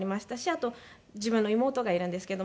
あと自分の妹がいるんですけども。